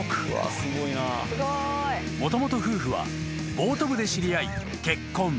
［もともと夫婦はボート部で知り合い結婚］